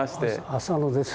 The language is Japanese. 浅野です。